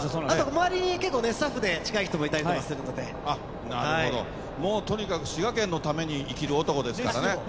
周りにスタッフで近い人がいたりするのでとにかく滋賀県のために生きる男ですからね。